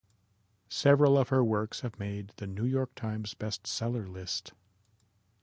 Several of her works have made "The New York Times" Best Seller list.